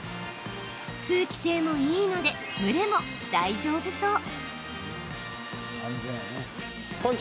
通気性もいいので蒸れも大丈夫そう。